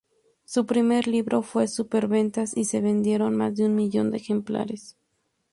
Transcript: Su primer libro fue superventas y se vendieron más de un millón de ejemplares.